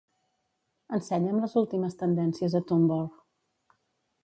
Ensenya'm les últimes tendències a Tumblr.